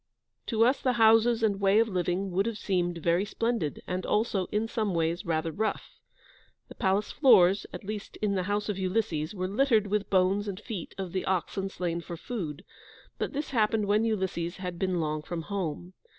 To us the houses and way of living would have seemed very splendid, and also, in some ways, rather rough. The palace floors, at least in the house of Ulysses, were littered with bones and feet of the oxen slain for food, but this happened when Ulysses had been long from home.